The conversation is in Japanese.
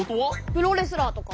プロレスラーとか。